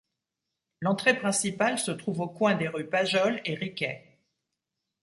L'entrée principale se trouve au coin des rues Pajol et Riquet.